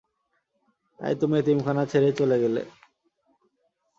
তাই তুমি এতিমখানা ছেড়ে চলে গেলে।